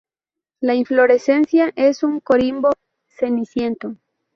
La inflorescencia es un corimbo ceniciento.